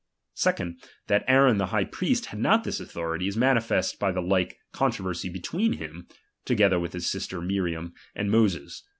Secondly, that ^H Aaron the high priest had not this authority, is ^H manifest by the Uke controversy between him (to ^H gether with his sister Miriam) and Moses.